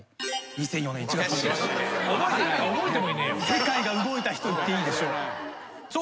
世界が動いた日と言っていいでしょう。